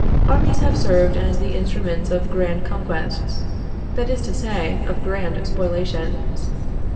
Armies have served as the instruments of grand conquests that is to say, of grand spoliations.